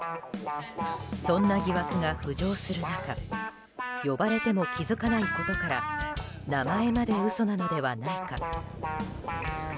そんな疑惑が浮上する中呼ばれても気づかないことから名前まで嘘なのではないか。